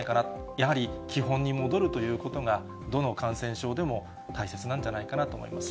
やはり基本に戻るということが、どの感染症でも大切なんじゃないかなと思いますね。